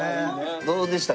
どうでした？